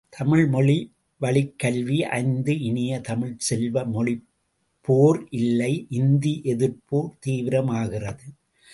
தாய்மொழிவழிக் கல்வி ஐந்து இனிய தமிழ்ச் செல்வ, மொழிப்போர் இல்லை, இந்தி எதிர்ப்புப்போர் தீவிரமாகிறது!